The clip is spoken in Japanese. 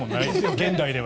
現代では。